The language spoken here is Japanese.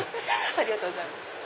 ありがとうございます。